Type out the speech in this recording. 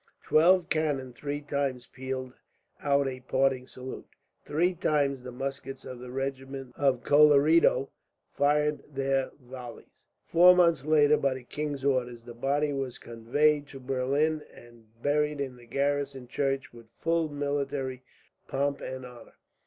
Twelve cannon three times pealed out a parting salute. Three times the muskets of the regiment of Colleredo fired their volleys. Four months later, by the king's orders, the body was conveyed to Berlin, and buried in the garrison church with full military pomp and honour.